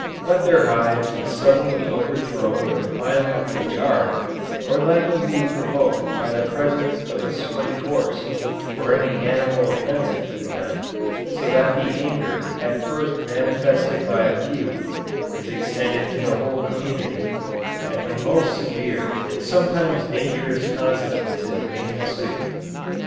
Let their hive be suddenly overthrown or violently jarred, or let them be provoked by the presence of a sweaty horse, or any animal offensive to them, so that the anger at first manifested by a few, is extended to the whole community, and the most severe and sometimes dangerous consequences may ensue.